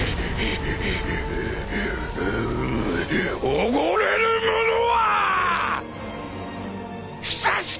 おごれる者はっ！